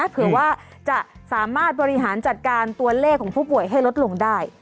เผื่อว่าจะสามารถบริหารจัดการตัวเลขของผู้ป่วยให้ลดลงได้